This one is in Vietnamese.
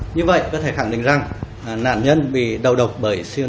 như vậy có thể khẳng định rằng là nạn nhân bị đầu độc bởi xianur